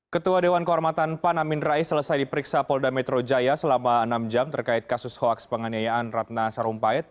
ketua dewan kehormatan pan amin rais selesai diperiksa polda metro jaya selama enam jam terkait kasus hoaks penganiayaan ratna sarumpait